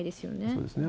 そうですね。